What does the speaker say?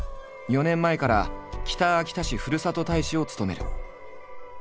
４年前から北秋田市ふるさと大使を務める。